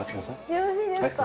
よろしいですか？